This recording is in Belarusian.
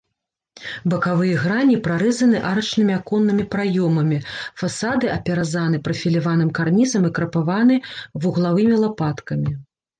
Бакавыя грані прарэзаны арачнымі аконнымі праёмамі, фасады апяразаны прафіляваным карнізам і крапаваны вуглавымі лапаткамі.